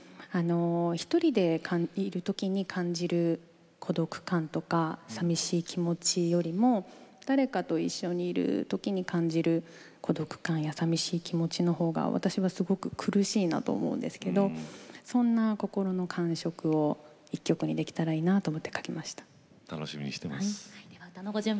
１人でいる時に感じる孤独感とかさみしい気持ちよりも誰かと一緒にいる時に感じる孤独感やさみしい気持ちの方が私はすごく苦しいんだと思うんですけれどそんな心の感触を１曲にできたらいいなと思って書きました。